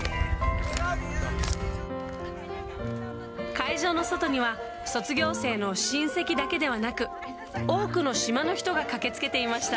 会場の外には、卒業生の親戚だけではなく、多くの島の人が駆けつけていました。